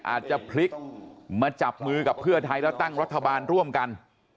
อาจจะพลิกมาจับมือกับเพื่อไทยแล้วตั้งรัฐบาลร่วมกัน